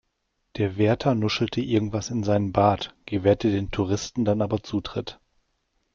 Der Wärter nuschelte irgendwas in seinen Bart, gewährte den Touristen dann aber Zutritt.